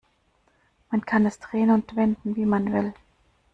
Man kann es drehen und wenden, wie man will.